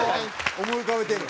思い浮かべてるの？